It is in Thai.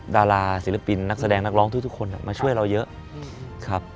ดาราศิลปินนักแสดงนักร้องทุกคนมาช่วยเราเยอะครับ